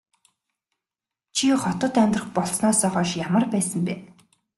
Чи хотод амьдрах болсноосоо хойш ямар байсан бэ?